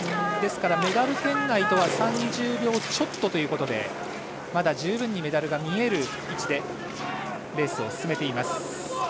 ですから、メダル圏内とは３０秒ちょっとということでまだ十分にメダルが見える位置でレースを進めています。